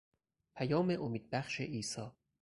پیام امیدبخش عیسی